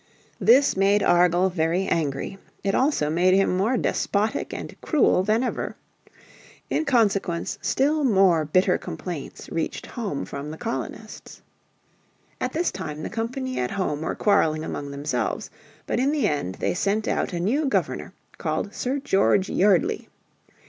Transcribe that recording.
This made Argall very angry; it also made him more despotic and cruel than ever. In consequence still more bitter complaints reached home from the colonists. At this time the company at home were quarrelling among themselves. But in the end they sent out a new Governor called Sir George Yeardley.